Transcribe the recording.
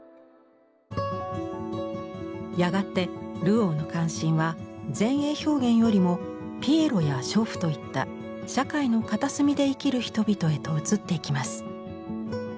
やがてルオーの関心は前衛表現よりもピエロや娼婦といった社会の片隅で生きる人々へと移っていきます。